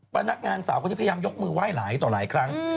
พนักงานสาวก็ได้พยายามยกมือว่ายหลายตอนหลายครั้ง